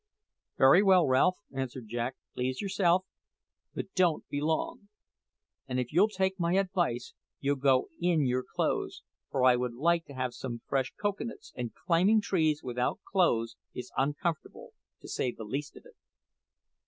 "Very well, Ralph," answered Jack; "please yourself. But don't be long. And if you'll take my advice, you'll go in your clothes; for I would like to have some fresh cocoa nuts, and climbing trees without clothes is uncomfortable to say the least of it."